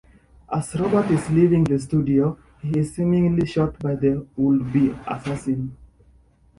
As Roberts is leaving the studio, he is seemingly shot by a would-be assassin.